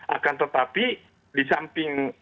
akan tetapi disamping